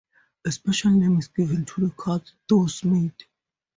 A special name is given to the cuts thus made.